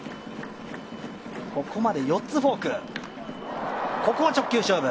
ここまで４つフォーク。